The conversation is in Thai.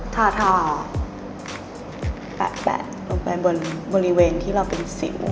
ท่อแปะลงไปบนบริเวณที่เราเป็นสิว